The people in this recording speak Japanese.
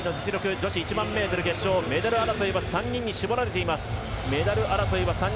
女子１００００ｍ決勝メダル争いは３人に絞られています。